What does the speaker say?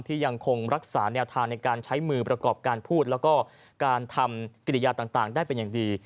ยังคงรักษาแนวทางในการใช้มือประกอบการพูดแล้วก็การทำกิริยาต่างได้เป็นอย่างดี